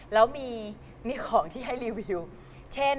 แล้วมีของที่ให้รีวิวเช่น